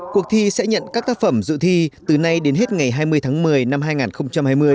cuộc thi sẽ nhận các tác phẩm dự thi từ nay đến hết ngày hai mươi tháng một mươi năm hai nghìn hai mươi